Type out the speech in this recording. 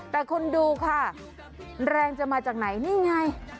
แต่คุณดูค่ะแรงจะมาจากไหนนี่ไง